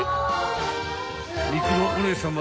［肉のお姉さんは］